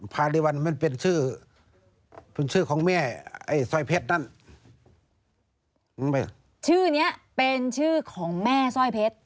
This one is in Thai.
พาริวัลมันเป็นชื่อเป็นชื่อของแม่ไอ้สร้อยเพชรนั่นชื่อเนี้ยเป็นชื่อของแม่สร้อยเพชร